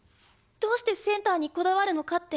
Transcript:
どうしてセンターにこだわるのかって。